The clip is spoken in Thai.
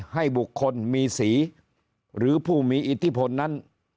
ให้บุคคลมีสีหรือผู้มีอิทธิพลนั้น